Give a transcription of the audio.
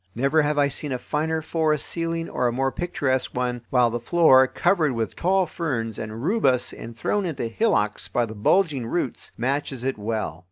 Never have I seen a finer forest ceiling or a more picturesque one, while the floor, covered with tall ferns and rubus and thrown into hillocks by the bulging roots, matches it well.